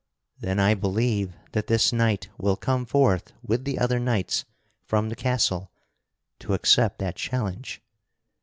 Then I believe that this knight will come forth with the other knights from the castle to accept that challenge.